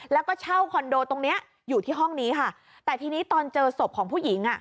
แล้วก็เช่าคอนโดตรงเนี้ยอยู่ที่ห้องนี้ค่ะแต่ทีนี้ตอนเจอศพของผู้หญิงอ่ะ